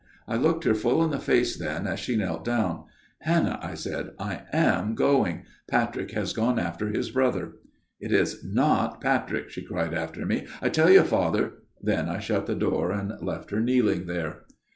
" I looked her full in the face then as she knelt down. "' Hannah,' I said, ' I am going. Patrick has gone after his brother.' "'It is not Patrick,' she cried after me ;' I tell you, Father "" Then I shut the door and left her kneeling there.